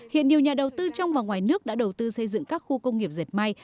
hiện nhiều nhà đầu tư trong và ngoài nước đã đầu tư xây dựng các khu công nghiệp dệt may